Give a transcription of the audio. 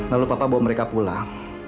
lalu papa bawa mereka pulang